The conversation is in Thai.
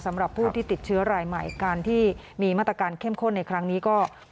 สำหรับผู้ที่ติดเชื้อรายใหม่การที่มีมาตรการเข้มข้นในครั้งนี้ก็